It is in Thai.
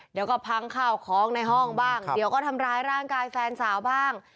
เดี๋ยวก็พังข้าวของในห้องบ้างเดี๋ยวก็ทำร้ายร่างกายแฟนสาวบ้าง